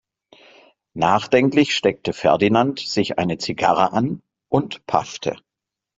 Nachdenklich steckte Ferdinand sich eine Zigarre an und paffte.